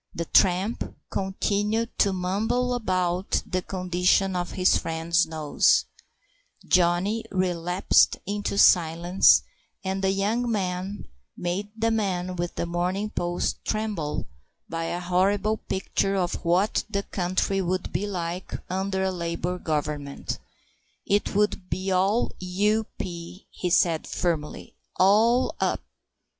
The tramp continued to mumble about the condition of his friend's nose, Johnny relapsed into silence, and the young man made the man with The Morning Post tremble by a horrible picture of what the country would be like under a Labour Government. "It would be all U.P.," he said firmly; "all up...."